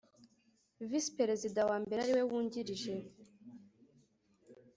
visi perezida wa mbere ariwe wungirije